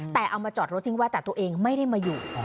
แต่เอามาจอดรถทิ้งไว้แต่ตัวเองไม่ได้มาอยู่